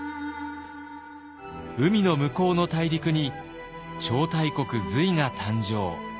海の向こうの大陸に超大国隋が誕生。